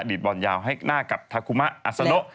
ดีดบอลยาวให้หน้ากับทักุมะอัสโน่